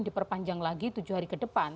diperpanjang lagi tujuh hari ke depan